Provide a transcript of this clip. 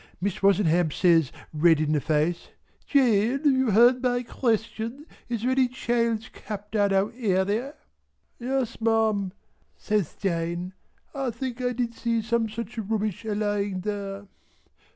Miss Wozenham says red in the face "Jane you heard my question, is there any child's cap down our Airy?" "Yes Ma'am" says Jane, "I think I did see some such rubbish a lying there."